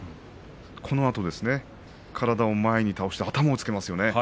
このあとですね体を前に倒して頭をつけますよね。